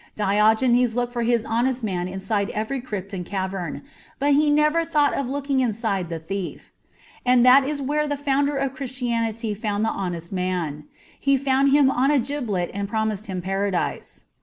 Diogenes looked for his honest man inside every crypt and cavern, but he never thought of looking inside the thief. And that is where the Founder of Christianity found the honest man ; He found him on a gibbet and promised him Paradise.